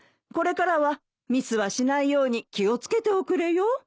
これからはミスはしないように気を付けておくれよ。